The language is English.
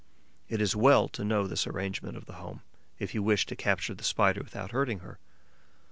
It is well to know this arrangement of the home, if you wish to capture the Spider without hurting her.